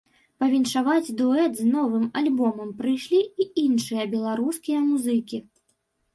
Павіншаваць дуэт з новым альбомам прыйшлі і іншыя беларускія музыкі.